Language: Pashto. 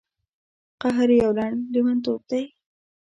قهر یو لنډ لیونتوب دی.